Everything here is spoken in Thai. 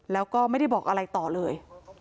แล้วก็ไม่ได้บอกอะไรต่อเลย